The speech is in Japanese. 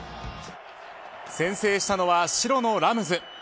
先制したのは白のラムズ。